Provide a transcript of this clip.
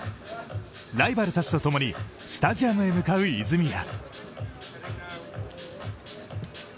ライバルたちとともにスタジアムへ向かう泉谷。